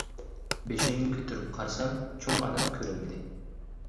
بېشىمنى كۆتۈرۈپ قارىسام چوڭ ئانام كۆرۈنمىدى.